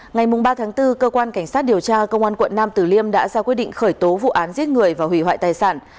ngày ba bốn cơ quan cảnh sát điều tra công an quận nam tử liêm đã ra quyết định khởi tố vụ án giết người và hủy hoại tài sản